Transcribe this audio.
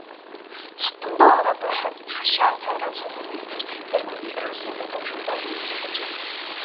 Хотондоо ороогүй хоньд хашаа тойрон сул эргэлдэж зарим нь белоруссын дугуй шөргөөн үнэрлэх ажээ.